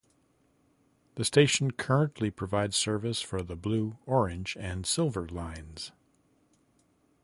The station currently provides service for the Blue, Orange, and Silver Lines.